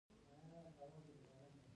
د انسان غوږونه هیڅکله خوب نه کوي.